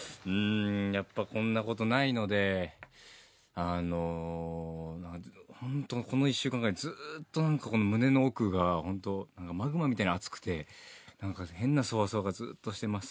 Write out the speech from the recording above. こんなことないのでこの１週間ぐらいずーっと胸の奥がマグマみたいに熱くて、変なソワソワがずっとしてます。